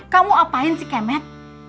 kamu apain si kemet